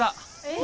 え！